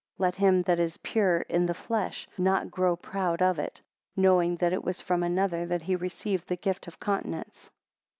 38 Let him that is pure in the flesh, not grow proud of it, knowing that it was from another that he received the gift of continence.